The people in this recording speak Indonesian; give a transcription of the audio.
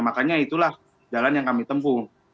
makanya itulah jalan yang kami tempuh